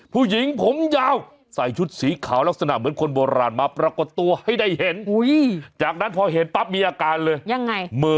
ผู้หญิงผมยาวใส่ชุดสีขาวลักษณะเหมือนคนโบราณมาปรากฏตัวให้ได้เห็น